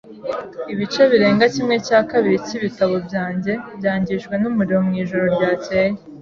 Ibice birenga kimwe cya kabiri cyibitabo byanjye byangijwe numuriro mwijoro ryakeye.